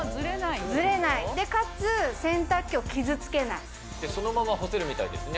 ずれない、かつ洗濯機を傷つそのまま干せるみたいですね。